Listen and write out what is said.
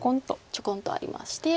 ちょこんとありまして。